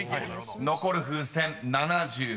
［残る風船７８個］